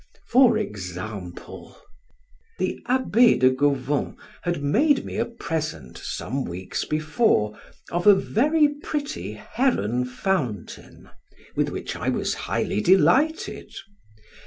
For example: The Abbe de Gauvon had made me a present, some weeks before, of a very pretty heron fountain, with which I was highly delighted.